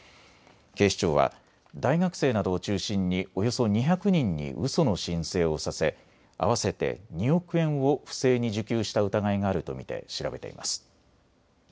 警視庁は大学生などを中心におよそ２００人にうその申請をさせ合わせて２億円を不正に受給した疑いがあると見て調べています。